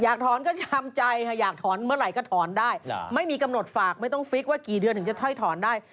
ถอนก็ชามใจค่ะอยากถอนเมื่อไหร่ก็ถอนได้ไม่มีกำหนดฝากไม่ต้องฟิกว่ากี่เดือนถึงจะถ้อยถอนได้